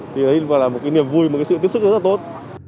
đây là một niềm vui và sự tiếp xúc rất tốt